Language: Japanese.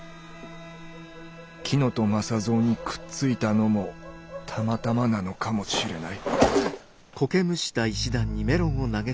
乙雅三にくっついたのもたまたまなのかもしれない。